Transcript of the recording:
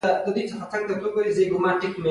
یو عسکر راغی او د جمال خان لاسونه یې ولچک کړل